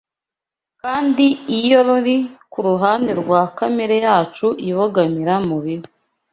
kandi iyo ruri ku ruhande rwa kamere yacu ibogamira mu bibi